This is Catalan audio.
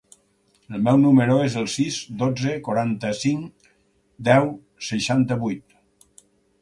El meu número es el sis, dotze, quaranta-cinc, deu, seixanta-vuit.